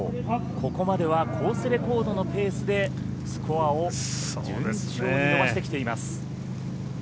ここまではコースレコードのペースでスコアを順調に伸ばしてきています。